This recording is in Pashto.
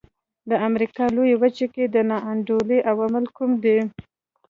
د امریکا لویه وچه کې د نا انډولۍ عوامل کوم دي.